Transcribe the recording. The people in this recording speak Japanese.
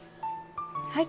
はい。